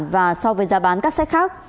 và so với giá bán các sách khác